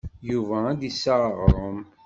Yuba ad d-iseɣ aɣrum.